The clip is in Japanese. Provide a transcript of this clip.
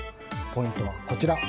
ポイントはこちら。